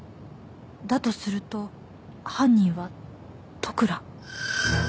だとすると犯人は利倉。